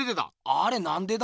あれなんでだ？